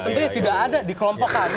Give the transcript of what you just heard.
tentunya tidak ada di kelompok kami